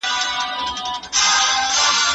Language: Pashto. ماته به نه وايې چې اور شو وطن